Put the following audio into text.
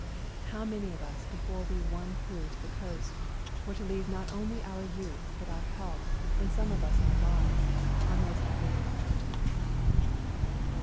How many of us before we won through to the coast were to leave not only our youth but our health and some of us our lives on those Albanian mountains